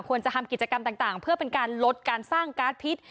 ควรจะทำกิจกรรมต่างเพื่อเป็นการลดการสร้างการ์ดพิษ